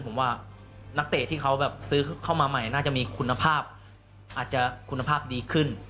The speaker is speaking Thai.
ผมว่านักเตะที่เขาแบบซื้อเข้ามาใหม่น่าจะมีคุณภาพอาจจะคุณภาพดีขึ้น